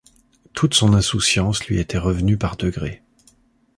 Toute son insouciance lui était revenue par degrés.